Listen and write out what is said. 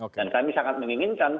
dan kami sangat menginginkan